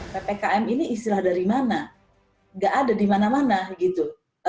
ppkm ini istilah dari mana nggak ada di mana mana gitu